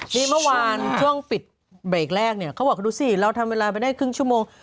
นี่เมื่อวานช่วงปิดเบรกแรกเนี่ยเขาบอกดูสิเราทำเวลาไปได้ครึ่งชั่วโมง